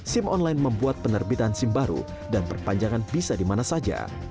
sim online membuat penerbitan sim baru dan perpanjangan bisa dimana saja